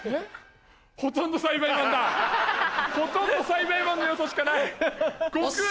ほとんど栽培マンの要素しかない。